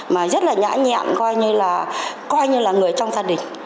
mà rất là nhã nhẹn coi như là người trong gia đình